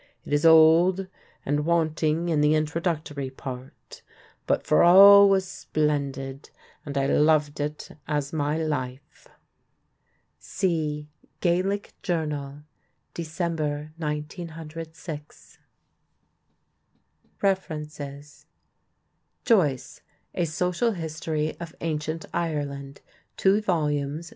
It is old and wanting in the introductory part, but for all was splendid and I loved it as my life." (See Gaelic Journal, Dec., 1906.) REFERENCES: Joyce: A Social History of Ancient Ireland (2 vols.